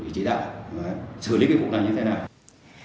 để chỉ đạo xử lý cái vụ này như thế nào